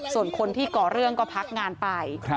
ส่วนคนที่ก่อเรื่องก็พักงานไป